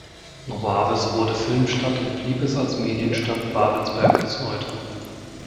Nowawes wurde Filmstadt und blieb es als Medienstadt Babelsberg bis heute.